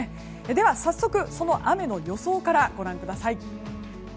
では、早速その雨の予想からご覧ください。